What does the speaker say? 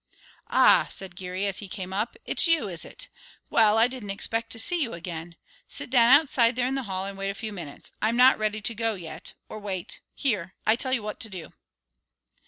"Ah," said Geary, as he came up, "it's you, is it? Well, I didn't expect to see you again. Sit down outside there in the hall and wait a few minutes. I'm not ready to go yet or, wait; here, I tell you what to do."